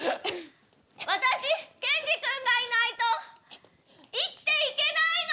私ケンジ君がいないと生きていけないの！